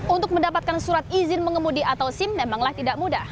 untuk mendapatkan surat izin mengemudi atau sim memanglah tidak mudah